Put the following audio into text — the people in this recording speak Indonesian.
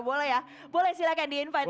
boleh ya boleh silahkan di invite